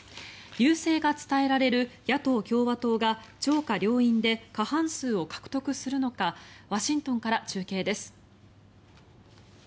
優勢が伝えられる野党・共和党が上下両院で過半数を獲得するのかワシントンから中継です。